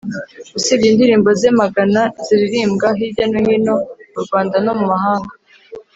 Usibye indirimbo ze amagana ziririmbwa hirya no hino mu Rwanda no mu mahanga